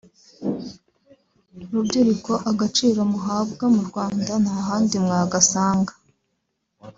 rubyiruko agaciro muhabwa mu Rwanda nta handi mwagasanga